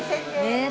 ねえ。